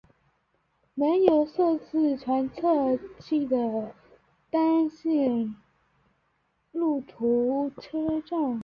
没有设置转辙器的单线路轨车站。